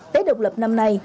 tết độc lập năm nay